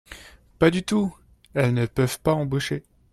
Pas du tout, elles ne peuvent pas embaucher